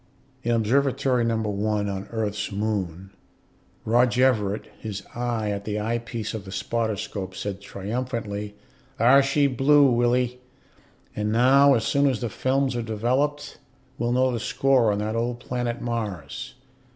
In Observatory No. 1 on Earth's moon, Rog Everett, his eye at the eyepiece of the spotter scope, said triumphantly, "Thar she blew, Willie. And now, as soon as the films are developed, we'll know the score on that old planet Mars."